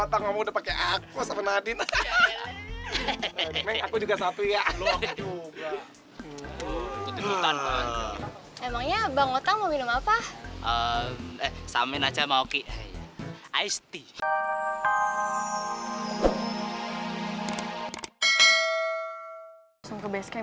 hahaha otang ngomong udah pake aku sama nadin